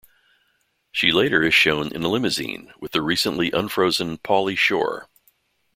She later is shown in a limousine with the recently unfrozen Pauly Shore.